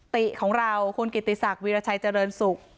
ติของเราคุณกิติศักดิราชัยเจริญสุข